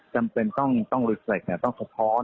จำเป็นต้องควบคล้อนต้องควบคล้อน